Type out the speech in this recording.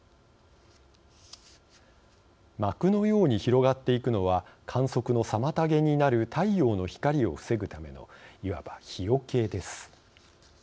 膜のように広がっていくのは観測の妨げになる太陽の光を防ぐためのいわば日よけです。